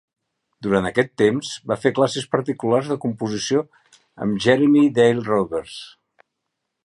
Durant aquest temps, va fer classes particulars de composició amb Jeremy Dale Roberts.